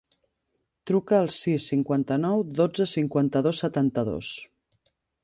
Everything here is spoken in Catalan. Truca al sis, cinquanta-nou, dotze, cinquanta-dos, setanta-dos.